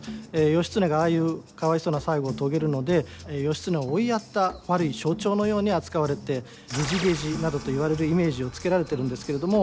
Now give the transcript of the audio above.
義経がああいうかわいそうな最期を遂げるので義経を追いやった悪い象徴のように扱われて「げじげじ」などと言われるイメージをつけられてるんですけれども。